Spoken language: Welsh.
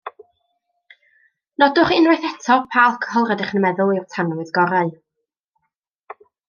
Nodwch unwaith eto pa alcohol rydych yn meddwl yw'r tanwydd gorau